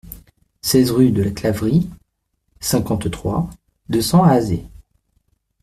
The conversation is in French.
seize rue de la Claverie, cinquante-trois, deux cents à Azé